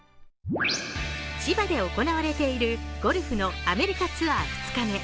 千葉で行われているゴルフのアメリカツアー２日目。